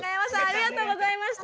ありがとうございます。